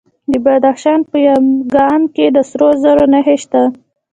د بدخشان په یمګان کې د سرو زرو نښې شته.